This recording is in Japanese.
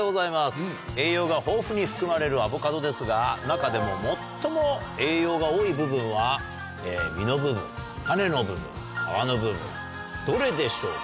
栄養が豊富に含まれるアボカドですが中でも最も栄養が多い部分は実の部分種の部分皮の部分どれでしょうか？